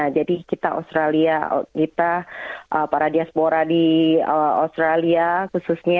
jadi kita australia kita para diaspora di australia khususnya